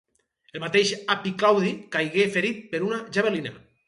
El mateix Api Claudi caigué ferit per una javelina.